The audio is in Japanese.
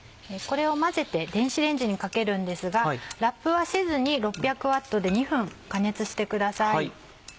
これを混ぜて電子レンジにかけるんですがラップはせずに６００Ｗで２分加熱してください。